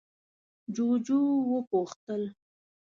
جُوجُو وپوښتل: